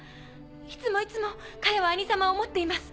いつもいつもカヤは兄様を思っています。